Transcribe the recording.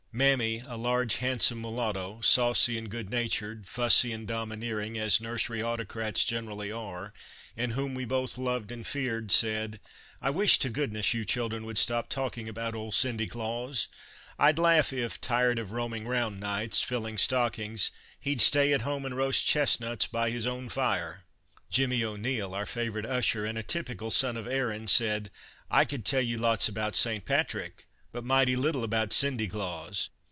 Mammy, a large, handsome mulatto, saucy and good natured, fussy and domineering, as nursery autocrats generally are, and whom we both loved and feared, said :" I wish to goodness you children would stop talking about old Sindy Klaws. 1 'd laugh if, tired of roaming 'round nights, filling stockings, he 'd stay at home and roast chestnuts by his own fire." Jimmy O'Neil, our favorite usher and a typical son of Erin, said :" I could tell you lots about Saint Patrick, but mighty little about Sindy Klaws.